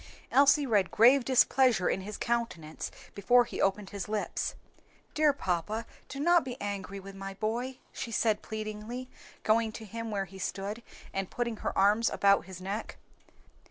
Elsie read grave displeasure in his countenance before he opened his lips. "Dear papa, do not be angry with my boy," she said pleadingly, going to him where he stood, and putting her arms about his neck.